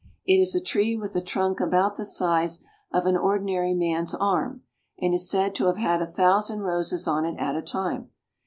It is a tree with a trunk about the size of an ordinary man's arm, and is said to have had a thousand roses on it at a time.